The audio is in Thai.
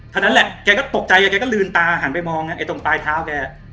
เท่านั้นแหละแกก็ตกใจแกก็ลืมตาหันไปมองไอ้ตรงปลายเท้าแก